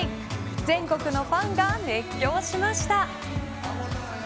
全国のファンが熱狂しました。